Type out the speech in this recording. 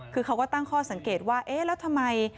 คือเขาก็ตั้งข้อสังเกตว่าเอ๊ะแล้วทำไม